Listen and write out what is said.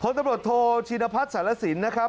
ตำรวจโทชินพัฒน์สารสินนะครับ